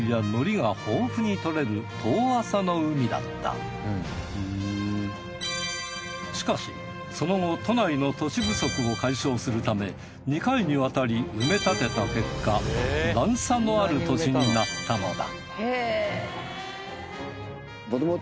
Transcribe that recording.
ここ浦安はしかしその後都内の土地不足を解消するため２回にわたり埋め立てた結果段差のある土地になったのだ